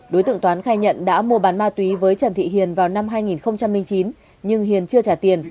đối tượng toán khai nhận đã mua bán ma túy với trần thị hiền vào năm hai nghìn chín nhưng hiền chưa trả tiền